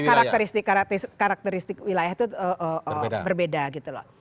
masing masing daerah karakteristik wilayah itu berbeda gitu loh